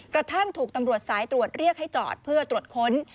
กระทั่งถูกตำรวจสายตรวจเรียกให้จอดเพื่อตรวจค้น